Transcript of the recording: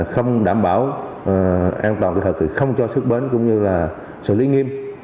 không đảm bảo an toàn không cho xuất bến cũng như là xử lý nghiêm